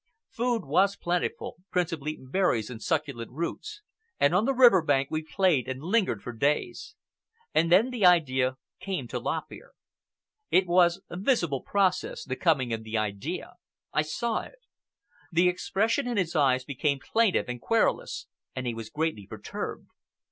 Food was plentiful, principally berries and succulent roots, and on the river bank we played and lingered for days. And then the idea came to Lop Ear. It was a visible process, the coming of the idea. I saw it. The expression in his eyes became plaintive and querulous, and he was greatly perturbed.